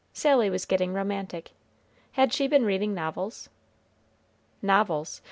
Sally was getting romantic. Had she been reading novels? Novels!